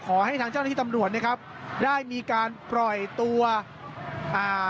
ขอให้ทางเจ้าหน้าที่ตำรวจนะครับได้มีการปล่อยตัวอ่า